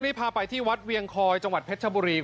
พาไปที่วัดเวียงคอยจังหวัดเพชรชบุรี